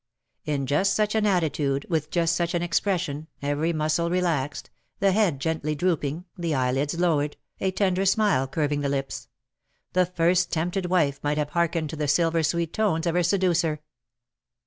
In just such an attitude, with just such an expression, every muscle relaxed, the head gently drooping, the eyelids lowered, a tender smile curving the lips — the first tempted wife might have hearkened to the silver sweet tones of her seducer.